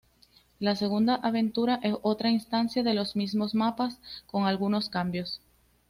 La segunda aventura es otra instancia de los mismos mapas con algunos cambios.